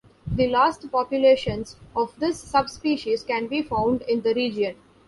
The last populations of this subspecies can be found in the region.